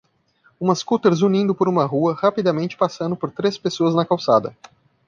Uma scooter zunindo por uma rua rapidamente passando por três pessoas na calçada.